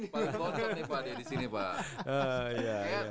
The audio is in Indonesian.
paling bocok nih pak di sini